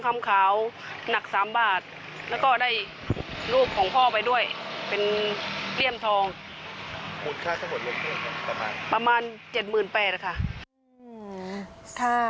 หมุนค่าสมุดลงไปประมาณประมาณเจ็ดหมื่นแปดค่ะค่ะ